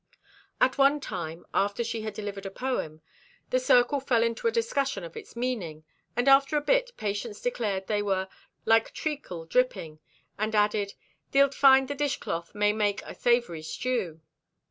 At one time, after she had delivered a poem, the circle fell into a discussion of its meaning, and after a bit Patience declared they were "like treacle dripping," and added, "thee'lt find the dishcloth may make a savory stew."